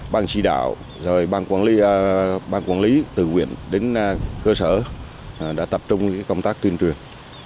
bằng chỉ đạo rồi bằng quản lý từ huyện đến cơ sở đã tập trung công tác tuyên truyền